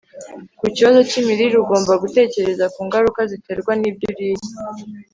Ku kibazo cyimirire ugomba gutekereza ku ngaruka ziterwa nibyo uriye